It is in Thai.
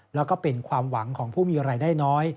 แล้วก็เป็นความหวังของผู้มีรายได้น้อย